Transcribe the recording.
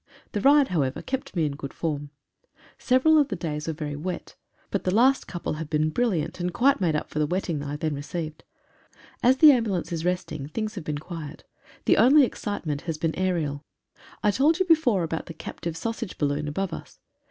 The ride, however, kept me in good form. Several of the days were very wet, but the last couple 106 AN AERIAL DUEL. have been brilliant, and quite made up for the wetting I then received. As the ambulance is resting things have been quiet. The only excitement has been aerial. I told you before about the captive sausage balloon above us.